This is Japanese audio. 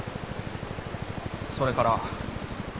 それから。